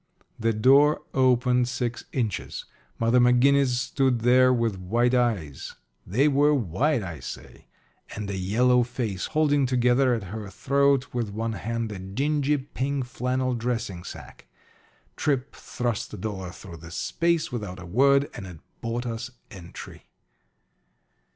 The door opened six inches. Mother McGinnis stood there with white eyes they were white, I say and a yellow face, holding together at her throat with one hand a dingy pink flannel dressing sack. Tripp thrust the dollar through the space without a word, and it bought us entry.